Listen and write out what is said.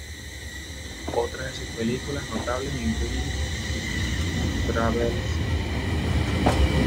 Otras de sus películas notables incluyen "Honeymoon Travels Pvt.